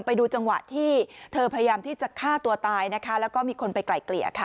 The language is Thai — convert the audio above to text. ไปดูจังหวะที่เธอพยายามที่จะฆ่าตัวตายนะคะแล้วก็มีคนไปไกลเกลี่ยค่ะ